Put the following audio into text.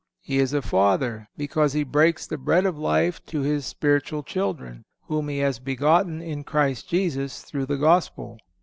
He is a father, because he breaks the bread of life to his spiritual children, whom he has begotten in Christ Jesus through the Gospel.